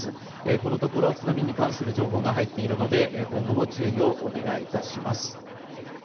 このところ津波に関する情報が入っているので今後も注意をお願いいたします。